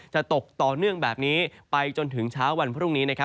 จะตกต่อเนื่องแบบนี้ไปจนถึงเช้าวันพรุ่งนี้